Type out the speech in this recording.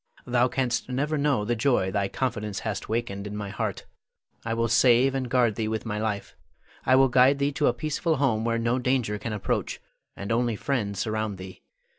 Thou canst never know the joy thy confidence hath wakened in my heart. I will save and guard thee with my life. I will guide thee to a peaceful home where no danger can approach, and only friends surround thee.